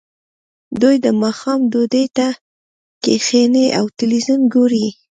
دوی د ماښام ډوډۍ ته کیښني او تلویزیون ګوري